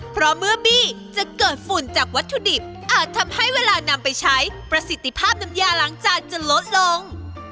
เพราะเมื่อบี้จะเกิดฝุ่นจากวัตถุดิบอาจทำให้เวลานำไปใช้ประสิทธิภาพน้ำยาล้างจานจะลดลง